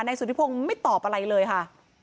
สุธิพงศ์ไม่ตอบอะไรเลยค่ะ